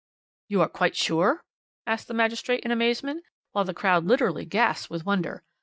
"'You are quite sure?' asked the magistrate in amazement, while the crowd literally gasped with wonder.